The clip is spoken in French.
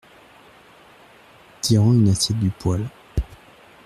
Tirant une assiette du poêle.